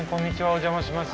お邪魔します。